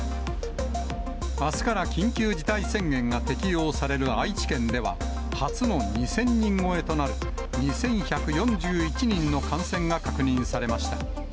あすから緊急事態宣言が適用される愛知県では、初の２０００人超えとなる、２１４１人の感染が確認されました。